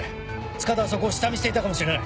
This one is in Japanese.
塚田はそこを下見していたかもしれない。